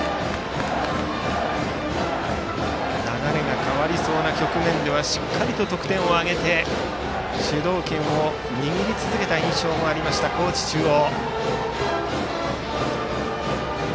流れが変わりそうな局面ではしっかりと得点を挙げて主導権を握り続けた印象もありました、高知中央。